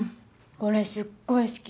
これすっごい好き。